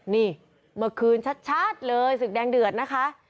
นี่เมื่อคืนชัดเลยศึกแดงเดือดนะคะ